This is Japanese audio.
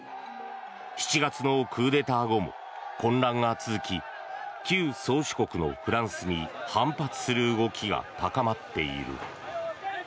７月のクーデター後も混乱が続き旧宗主国のフランスに反発する動きが高まっている。